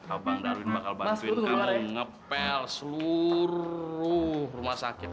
abang darwin bakal bantuin kamu ngepel seluruh rumah sakit